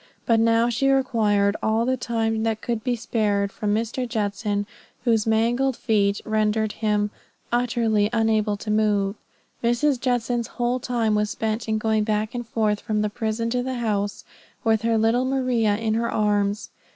But now she required all the time that could be spared from Mr. Judson, whose mangled feet rendered him utterly unable to move. Mrs. Judson's whole time was spent in going back and forth from the prison to the house with her little Maria in her arms.